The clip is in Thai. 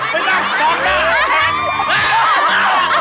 ไม่ต้องสอบหน้า